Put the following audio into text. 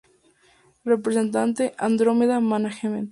Representante: Andrómeda-management.